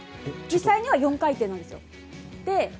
実際には４回転なんですよ。